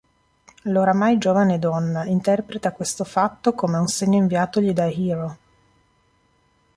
L'oramai giovane donna interpreta questo fatto come un segno inviatogli da Hiro.